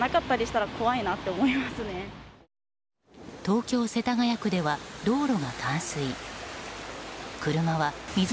東京・世田谷区では道路が冠水。